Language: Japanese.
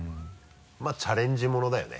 まぁチャレンジものだよね。